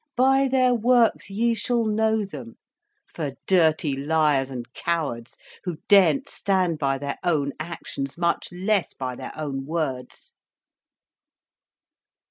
By their works ye shall know them, for dirty liars and cowards, who daren't stand by their own actions, much less by their own words."